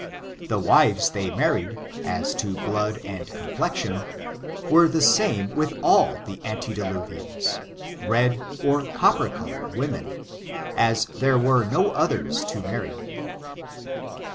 The wives they married, as to blood and complexion, were the same with all the antediluvians, red or copper colored wo men, as there were no others to marry.